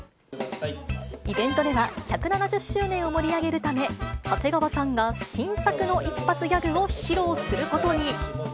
イベントでは１７０周年を盛り上げるため、長谷川さんが新作の一発ギャグを披露することに。